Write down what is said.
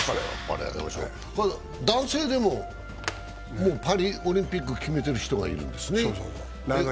男性でもパリオリンピック決めている人がいるんですね。